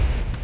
kita ke rumah